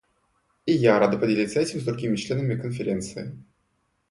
И я рада поделиться этим с другими членами Конференции.